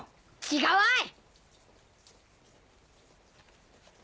違わい！